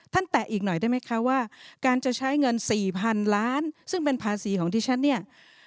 แตะอีกหน่อยได้ไหมคะว่าการจะใช้เงินสี่พันล้านซึ่งเป็นภาษีของดิฉันเนี่ย